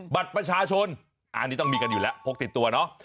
บัตรประชาชนอันนี้ต้องมีกันอยู่แล้วพกติดตัวเนาะ